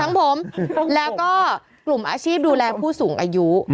ทั้งผมแล้วก็กลุ่มอาชีพดูแลผู้สูงอายุ